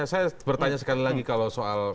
saya bertanya sekali lagi kalau soal